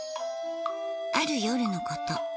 ある夜のこと。